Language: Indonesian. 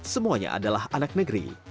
semuanya adalah anak negeri